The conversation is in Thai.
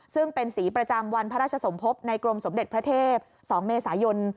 ซึ่งเป็นสีประจำวันพระราชสมภพในกรมสมเด็จพระเทพ๒เมษายน